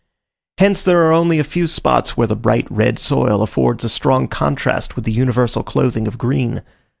Hence, there are only a few spots where the bright red soil affords a strong contrast with the universal clothing of green.